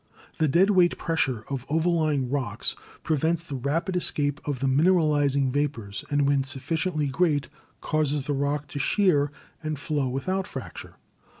The dead weight pressure of overlying rocks prevents the rapid escape of the mineralizing vapors, and when suffi ciently great causes the rock to shear and flow without fracture.